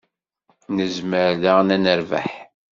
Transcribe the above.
Nezmer daɣen ad nerbeḥ.